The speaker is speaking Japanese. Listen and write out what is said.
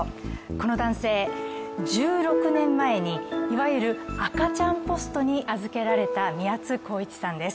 この男性、１６年前にいわゆる赤ちゃんポストに預けられた宮津航一さんです。